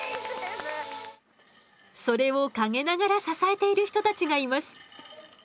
それを陰ながら支えている人たちがいます。